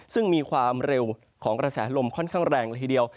ซึ่งมีความเร็วของกระแสลมค่อนข้างแรงละทีเดียว